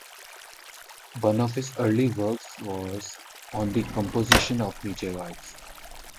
One of his early works was on the composition of meteorites.